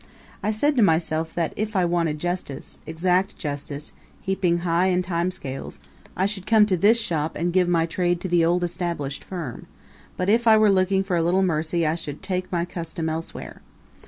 I said to myself that if I wanted justice exact justice, heaping high in time scales I should come to this shop and give my trade to the old established firm; but if I were looking for a little mercy I should take my custom elsewhere.